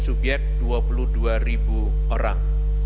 subyek dua puluh dua ribu orang